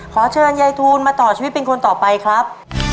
ขอเชิญยายทูลมาต่อชีวิตเป็นคนต่อไปครับ